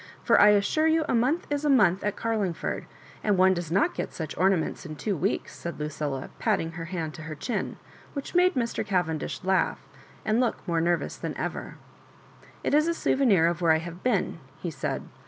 — for I assure you a month is a month at Carlingford ; and one does not get such ornaments in two weeks," said Lucilla, putting her hand to her chin, which made Mr. Cavendish laugh, and look more nervous than ever. *' It is a souvenir of where I have been," he said.